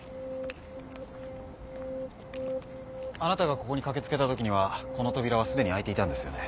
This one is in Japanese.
あなたがここに駆け付けたときにはこの扉はすでに開いていたんですよね？